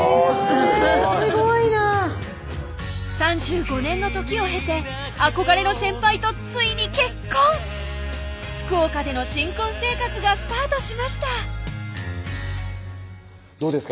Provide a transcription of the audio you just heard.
すごいすごいなぁ３５年の時を経て憧れの先輩とついに結婚福岡での新婚生活がスタートしましたどうですか？